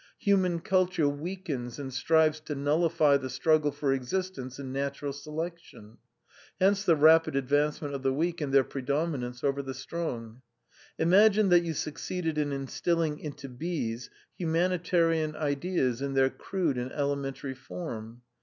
Human culture weakens and strives to nullify the struggle for existence and natural selection; hence the rapid advancement of the weak and their predominance over the strong. Imagine that you succeeded in instilling into bees humanitarian ideas in their crude and elementary form.